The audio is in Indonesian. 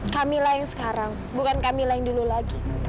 kamilah yang sekarang bukan kamilah yang dulu lagi